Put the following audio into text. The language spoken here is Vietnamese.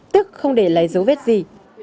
tức không để lấy dấu vết gì